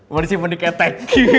boleh simpen di ketek